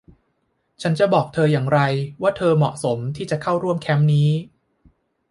ฉันจะบอกเธออย่างไรว่าเธอเหมาะสมที่จะเข้าร่วมแคมป์นี้ ?